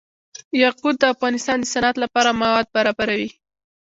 یاقوت د افغانستان د صنعت لپاره مواد برابروي.